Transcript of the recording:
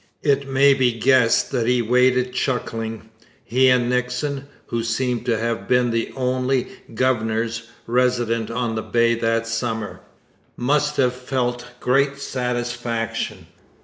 It may be guessed that he waited chuckling. He and Nixon, who seem to have been the only governors resident on the Bay that summer, must have felt great satisfaction.